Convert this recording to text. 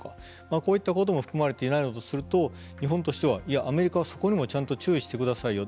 こういったことも含まれていないのだとすると日本としてはいや、アメリカはそこにもちゃんと注意してくださいよと。